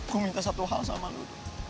gue minta satu hal sama lu